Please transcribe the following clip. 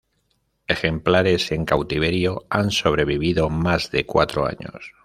Ejemplares en cautiverio han sobrevivido más de cuatro años.